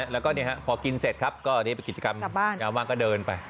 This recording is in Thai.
แล้วก็พอกินเสร็จครับก็เรียบกิจกรรมงานว่างก็เดินไป